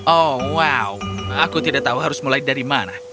oh wow aku tidak tahu harus mulai dari mana